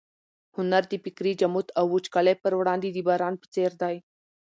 هنر د فکري جمود او وچکالۍ پر وړاندې د باران په څېر دی.